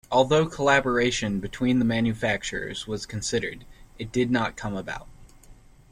Although collaboration between the manufacturers was considered, it did not come about.